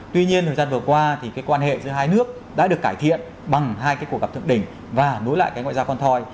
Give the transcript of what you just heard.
tuy nhiên thời gian vừa qua thì cái quan hệ giữa hai nước đã được cải thiện bằng hai cái cuộc gặp thượng đỉnh và nối lại cái ngoại giao con thoi